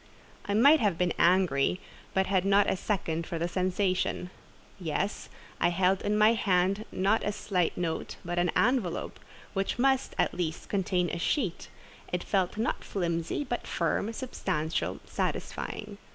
I might have been angry, but had not a second for the sensation. Yes: I held in my hand not a slight note, but an envelope, which must, at least, contain a sheet: it felt not flimsy, but firm, substantial, satisfying.